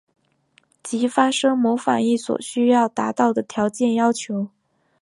即发生某反应所需要达到的条件要求。